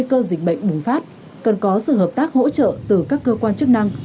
nguy cơ dịch bệnh bùng phát cần có sự hợp tác hỗ trợ từ các cơ quan chức năng